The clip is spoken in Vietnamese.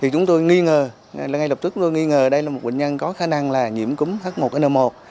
chúng tôi nghi ngờ ngay lập tức tôi nghi ngờ đây là một bệnh nhân có khả năng là nhiễm cúm h một n một